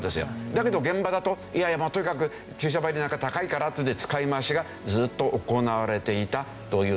だけど現場だといやいやとにかく注射針なんか高いからっていうんで使い回しがずーっと行われていたという。